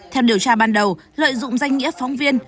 theo điều tra ban đầu lợi dụng danh nghĩa phóng viên